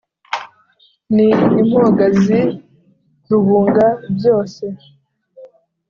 Ni impogazi rubunga byose